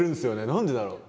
何でだろう？